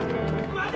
待て！